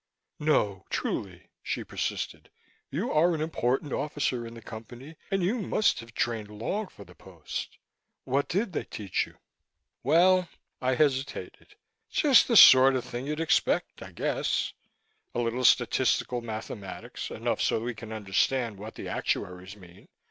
"No, truly," she persisted. "You are an important officer in the Company, and you must have trained long for the post. What did they teach you?" "Well " I hesitated "just the sort of thing you'd expect, I guess. A little statistical mathematics enough so we can understand what the actuaries mean.